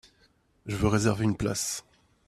Je veux réserver une place.